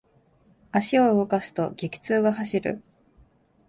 足を動かすと、激痛が走る。